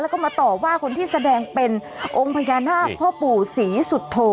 แล้วก็มาต่อว่าคนที่แสดงเป็นองค์พญานาคพ่อปู่ศรีสุโธ